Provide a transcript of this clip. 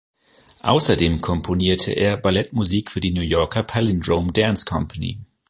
Außerdem komponierte er Ballettmusik für die New Yorker Palindrome Dance Company.